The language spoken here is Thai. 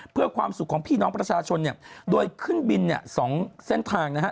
เพื่อความสุขของพี่น้องประชาชนเนี่ยโดยขึ้นบินเนี่ย๒เส้นทางนะฮะ